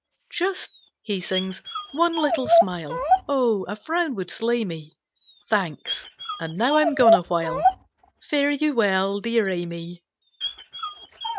"Just," he sings, "one little smile; O, a frown would slay me! Thanks, and now I'm gone awhile, Fare you well, dear Amy!"